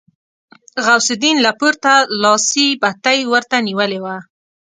غوث الدين له پورته لاسي بتۍ ورته نيولې وه.